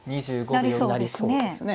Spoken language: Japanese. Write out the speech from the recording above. なりそうですね。